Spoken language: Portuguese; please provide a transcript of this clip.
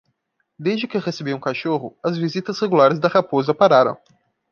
Desde que recebi um cachorro?, as visitas regulares da raposa pararam.